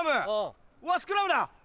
スクラムだ！